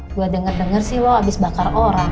gue denger dengar sih lo habis bakar orang